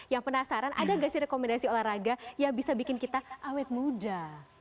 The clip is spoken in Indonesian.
yang penasaran ada nggak sih rekomendasi olahraga yang bisa bikin kita awet muda